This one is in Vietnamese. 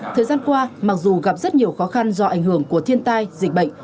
thời gian qua mặc dù gặp rất nhiều khó khăn do ảnh hưởng của thiên tai dịch bệnh